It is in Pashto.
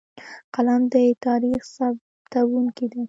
قلم د تاریخ ثبتونکی دی.